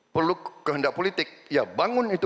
perlu kehendak politik ya bangun itu